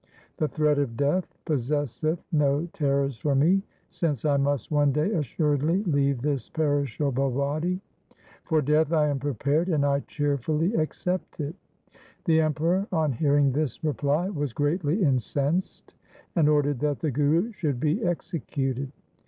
The threat of death possesseth no terrors for me, since I must one day assuredly leave this perishable body. For death I am prepared and I cheerfully accept it.' The Emperor on hearing this reply was greatly incensed, and ordered that the Guru should be executed.